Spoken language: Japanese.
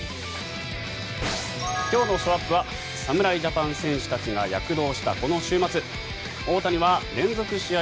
今日のショーアップは侍ジャパン戦士たちが躍動したこの週末大谷は連続試合